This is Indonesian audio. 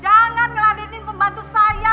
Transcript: jangan ngeladinin pembantu saya